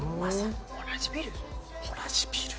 同じビル。